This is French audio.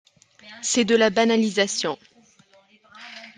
C’est de la banalisation.